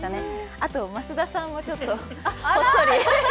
あと、増田さんもちょっと、こっそり。